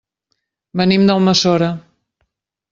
Venim d'Almassora.